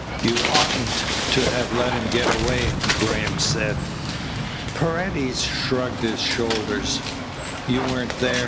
"You oughtn't to have let him get away," Graham said. Paredes shrugged his shoulders. "You weren't there.